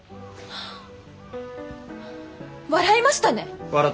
笑いました！